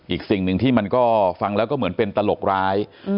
อีกสิ่งหนึ่งที่มันก็ฟังแล้วก็เหมือนเป็นตลกร้าย